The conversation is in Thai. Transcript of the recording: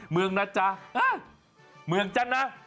เมืองนะจ๊ะเมืองจ๊ะนะ